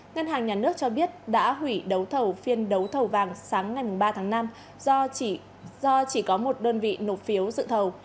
ngân hàng nhà nước cho biết đã hủy đấu thầu phiên đấu thầu vàng sáng ngày ba tháng năm do chỉ có một đơn vị nộp phiếu dự thầu